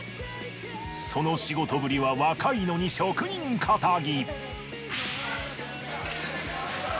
その仕事ぶりは若いのに職人気質。